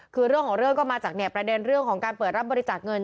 คือเรื่องของเรื่องก็มาจากประเด็นเรื่องของการเปิดรับบริจาคเงิน